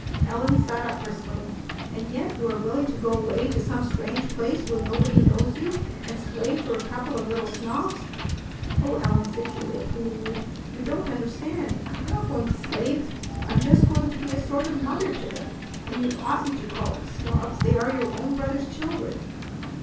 Ellen sat up bristling. "And yet you are willing to go away to some strange place where nobody knows you, and slave for a couple of little snobs!" "O Ellen!" said Julia pleadingly. "You don't understand. I am not going to slave. I'm just going to be a sort of mother to them. And you oughtn't to call them snobs. They are your own brother's children."